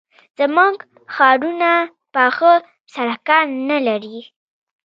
زموږ ښارونه پاخه سړکان نه لري.